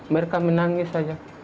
mereka menangis saja